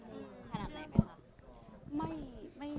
บางทีเค้าแค่อยากดึงเค้าต้องการอะไรจับเราไหล่ลูกหรือยังไง